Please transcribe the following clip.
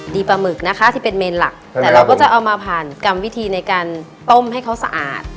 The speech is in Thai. ปลาหมึกนะคะที่เป็นเมนหลักแต่เราก็จะเอามาผ่านกรรมวิธีในการต้มให้เขาสะอาด